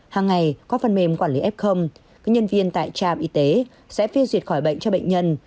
hàng ngày qua phần mềm quản lý f các nhân viên tại trạm y tế sẽ phê duyệt khỏi bệnh cho bệnh nhân